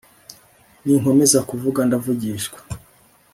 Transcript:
ninkomeza kuvuga ndavugishwa